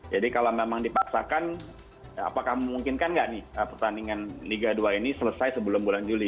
jadi kalau memang dipaksakan apakah memungkinkan nggak nih pertandingan liga dua ini selesai sebelum bulan juli